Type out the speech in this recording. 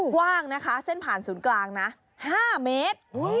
กว้างนะคะเส้นผ่านศูนย์กลางนะ๕เมตร